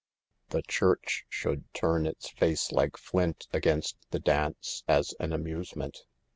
The Church should turn its face like flint against the dance as an amusement.